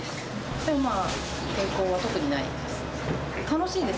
でも、抵抗は特にないです。